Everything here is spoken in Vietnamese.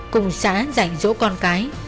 cùng xã dạy dỗ con cái